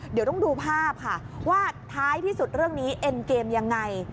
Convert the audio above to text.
เดี๋ยวต้องดูภาพค่ะว่าท้ายที่สุดเรื่องนี้เอ็นเกมยังไง